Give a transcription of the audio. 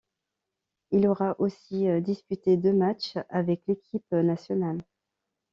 Il aura aussi disputé deux matchs avec l'équipe nationale.